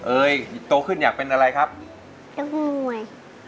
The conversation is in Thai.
เอ่ยโตขึ้นอยากเป็นอะไรครับนักมวย